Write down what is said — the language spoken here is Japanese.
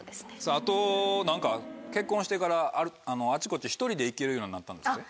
あと何か結婚してからあちこち１人で行けるようになったんですって？